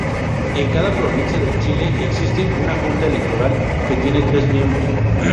En cada provincia de Chile existe una Junta Electoral, que tiene tres miembros.